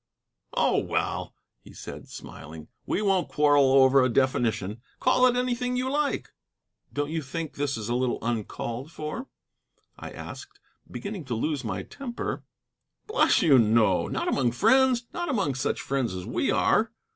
"Oh, well," he said, smiling, "we won't quarrel over a definition. Call it anything you like." "Don't you think this a little uncalled for?" I asked, beginning to lose my temper. "Bless you, no. Not among friends: not among such friends as we are."